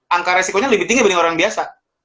angka resikonya lebih tinggi dibanding orang biasa